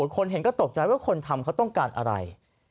คนเห็นก็ตกใจว่าคนทำเขาต้องการอะไร